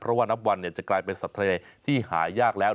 เพราะว่านับวันจะกลายเป็นสัตว์ทะเลที่หายากแล้ว